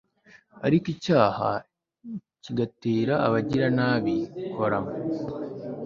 ariko icyaha kigatera abagiranabi korama